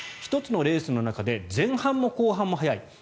１つのレースの中で前半も後半も速い。